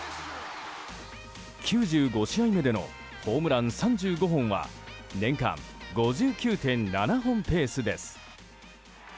９５試合目でのホームラン３５本は年間５９．７本ペースです。